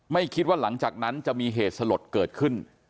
ไม่คิดว่าหลังจากนั้นจะมีเหตุสลดเกิดขึ้น